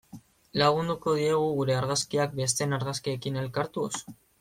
Lagunduko diegu gure argazkiak besteen argazkiekin elkartuz?